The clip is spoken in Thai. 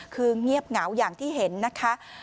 คือเงียบเหงาอย่างที่เห็นนะคะ